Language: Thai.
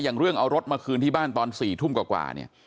อย่างเรื่องเอารถมาคืนที่บ้านตอน๔ทุ่มกว่าเนี่ย